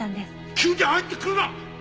急に入ってくるな！